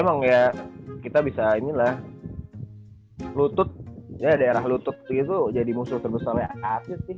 emang ya kita bisa inilah lutut ya daerah lutut gitu jadi musuh terbesarnya artis sih